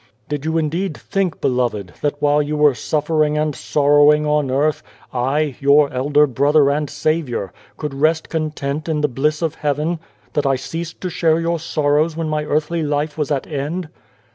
" Did you indeed think, beloved, that while you were suffering and sorrowing on earth, I, your elder Brother and Saviour, could rest content in the bliss of heaven ? that I ceased to share your sorrows when my earthly life was at end